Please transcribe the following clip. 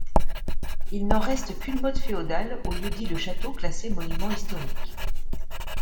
Il n'en reste qu'une motte féodale au lieu dit le Château, classée monument historique.